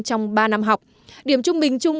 trong ba năm học điểm trung bình chung